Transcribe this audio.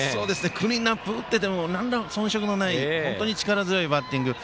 クリーンアップ打っていてもなんら遜色のない力強いバッティング。